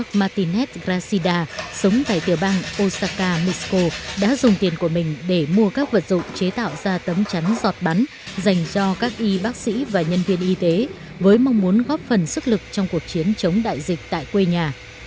bà martinet gracida sống tại tiểu bang osaka mexico đã dùng tiền của mình để mua các vật dụng chế tạo ra tấm chắn giọt bắn dành cho các y bác sĩ và nhân viên y tế với mong muốn góp phần sức lực trong cuộc chiến chống đại dịch tại quê nhà